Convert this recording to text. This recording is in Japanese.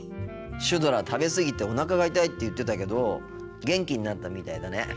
シュドラ食べ過ぎておなかが痛いって言ってたけど元気になったみたいだね。